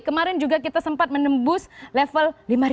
kemarin juga kita sempat menembus level lima tiga ratus